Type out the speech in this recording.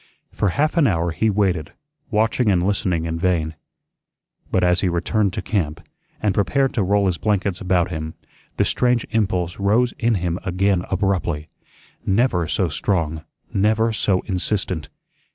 For half an hour he waited, watching and listening in vain. But as he returned to camp, and prepared to roll his blankets about him, the strange impulse rose in him again abruptly, never so strong, never so insistent.